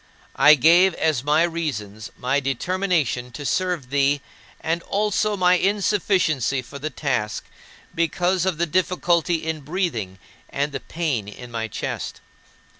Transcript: I gave as my reasons my determination to serve thee and also my insufficiency for the task, because of the difficulty in breathing and the pain in my chest.